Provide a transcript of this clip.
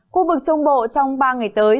khu vực trông bộ trong ba ngày tới